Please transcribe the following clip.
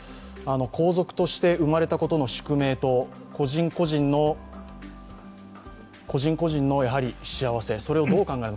皇族として生まれたことの宿命と個人個人の幸せそれをどう考えるか